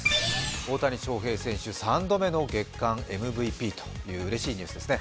大谷翔平選手、３度目の月間ＭＶＰといううれしいニュースですね。